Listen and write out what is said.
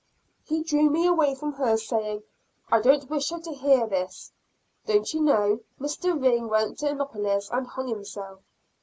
He drew me away from her, saying, "I don't wish her to hear this. Don't you know, Mr. Ring went to Annapolis and hung himself?"